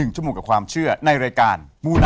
ชั่วโมงกับความเชื่อในรายการมูไน